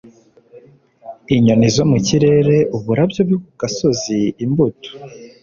Inyoni zo mu kirere, uburabyo bwo ku gasozi, imbuto,